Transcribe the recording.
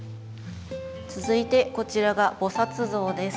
続いてこちらが菩像です。